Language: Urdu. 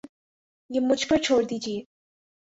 یہ مجھ پر چھوڑ دیجئے